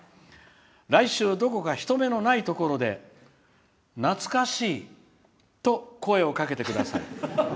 来週どこか人目のないところで「懐かしい」と声をかけてください。